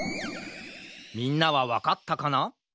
みんなはわかったかな？